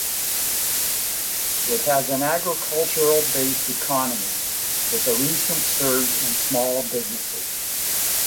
It has an agricultural-based economy, with a recent surge in small businesses.